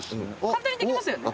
簡単にできますよね。